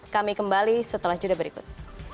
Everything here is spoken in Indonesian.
kami kembali setelah jeda berikut